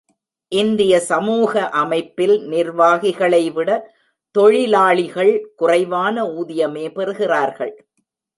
இந்திய சமூக அமைப்பில் நிர்வாகிகளை விட, தொழிலாளிகள் குறைவான ஊதியமே பெறுகிறார்கள்.